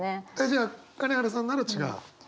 じゃあ金原さんなら違う。